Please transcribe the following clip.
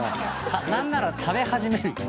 なんなら食べ始めるよ。